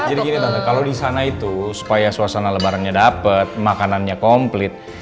gini tante kalau di sana itu supaya suasana lebarannya dapat makanannya komplit